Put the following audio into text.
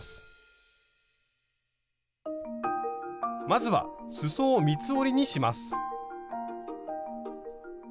まずはすそを三つ折りにします。